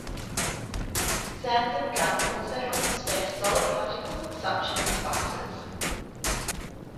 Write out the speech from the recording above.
Xanthan gum also helps suspend solid particles, such as spices.